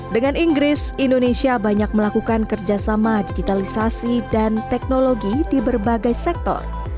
dengan inggris indonesia banyak melakukan kerjasama digitalisasi dan teknologi di berbagai sektor